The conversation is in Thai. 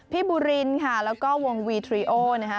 บูรินค่ะแล้วก็วงวีทรีโอนะคะ